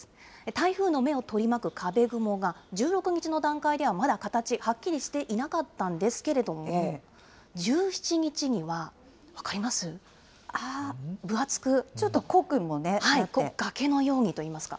台風の目を取り巻く壁雲が、１６日の段階ではまだ形、はっきりしていなかったんですけれども、１７日には、分かります？